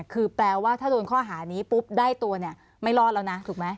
คือแปลว่าถ้าโดนข้อหานี้ปุ๊บได้ตัวเนี่ยไม่รอดแล้วนะถูกไหม